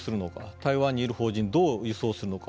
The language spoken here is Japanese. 台湾にいる邦人どう輸送するのか。